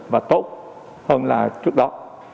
và tốt hơn là trước đó